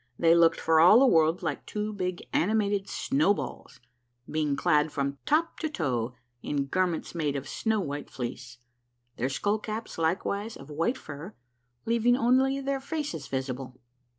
They looked for all the world like two big animated snowballs, being clad from top to toe in garments made of snow white fleece, their skull caps likewise of white fur, leaving only their faces visible.